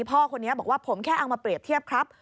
พ่อคนนี้บอกว่าผมแค่เอามาเปรียบเทียบครับ